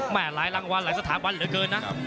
หลายรางวัลหลายสถาบันเหลือเกินนะ